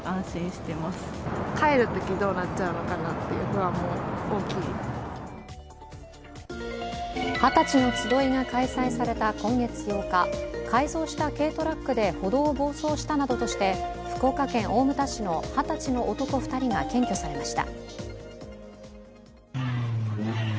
はたちの集いが開催された今月８日、改造した軽トラックで歩道を暴走したなどとして福岡県大牟田市の二十歳の男２人が検挙されました。